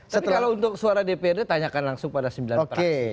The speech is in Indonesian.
tapi kalau untuk suara dprd tanyakan langsung pada sembilan praksi